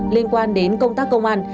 liên quan đến công tác công an